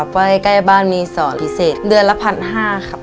ใกล้บ้านมีสอพิเศษเดือนละ๑๕๐๐ครับ